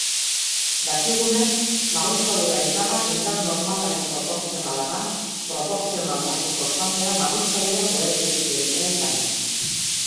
Dakigunez, marruskadura-indarra indar normalaren proportzionala da, proportzionaltasun-konstantea marruskadura-koefizientea izanik.